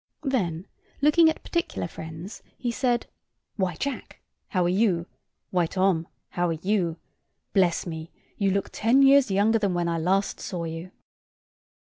Then, looking at particular friends, he said "Why, Jack, how are you? Why, Tom, how are you? Bless me, you look ten years younger than when I last saw you."